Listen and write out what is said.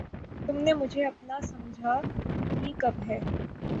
تم نے مجھے اپنا سمجھا ہی کب ہے!